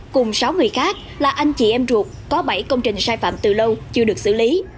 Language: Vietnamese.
cùng sáu người khác là anh chị em ruột có bảy công trình sai phạm từ lâu chưa được xử lý